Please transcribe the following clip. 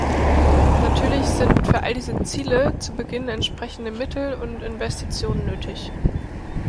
Natürlich sind für all diese Ziele zu Beginn entsprechende Mittel und Investitionen nötig.